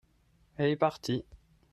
elle est partie.